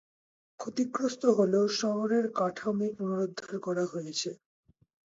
ক্ষতিগ্রস্ত হলেও শহরের কাঠামো পুনরুদ্ধার করা হয়েছে।